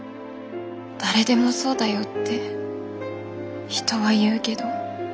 誰でもそうだよって人は言うけど。